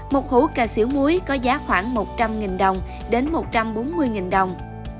một hũ cà xỉu múi có giá khoảng một trăm linh đồng đến một trăm bốn mươi đồng